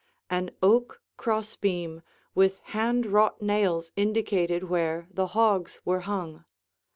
An oak cross beam with hand wrought nails indicated where the hogs were hung.